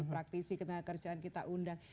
praktisi ketengah kerjaan kita undang